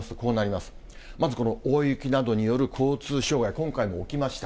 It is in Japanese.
まず、この大雪などによる交通障害、今回も起きました。